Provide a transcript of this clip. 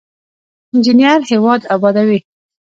انجینر هیواد ابادوي